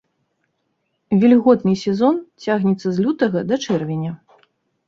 Вільготны сезон цягнецца з лютага да чэрвеня.